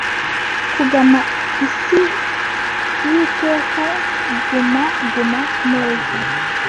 kugana isi y'iteka, guma guma neza